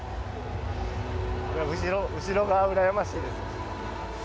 後ろがうらやましいです。